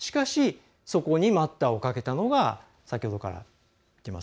しかしそこに待ったをかけたのが先ほどから言っています